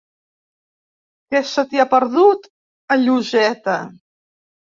Què se t'hi ha perdut, a Lloseta?